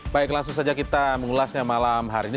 baik langsung saja kita mengulasnya malam hari ini